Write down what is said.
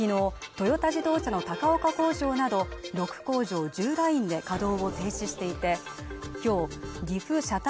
トヨタ自動車の高岡工場など６工場１０ラインで稼働を停止していて今日岐阜車体